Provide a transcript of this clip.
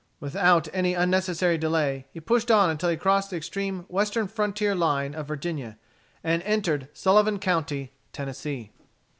Without any unnecessary delay he pushed on until he crossed the extreme western frontier line of Virginia, and entered Sullivan County, Tennessee.